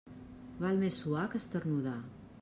Val més suar que esternudar.